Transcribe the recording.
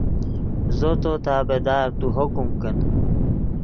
زو تو تابعدار تو حکم کن